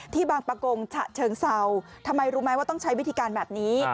บางประกงฉะเชิงเศร้าทำไมรู้ไหมว่าต้องใช้วิธีการแบบนี้